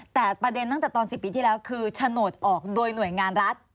แต่ประเด็นตั้งแต่ตอน๑๐ปีที่แล้วคือโฉนดออกโดยหน่วยงานรัฐ